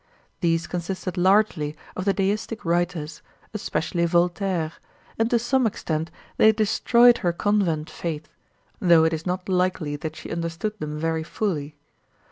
These consisted largely of the deistic writers, especially Voltaire, and to some extent they destroyed her convent faith, though it is not likely that she understood them very fully.